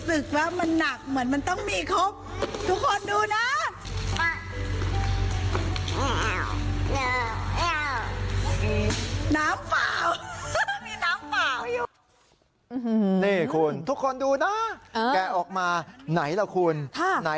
สวายสังขทานด้วยการเอายาไปสวายพระ